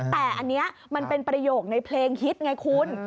แต่อันนี้มันเป็นประโยคในเพลงฮิตไงคุณ